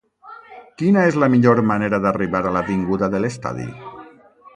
Quina és la millor manera d'arribar a l'avinguda de l'Estadi?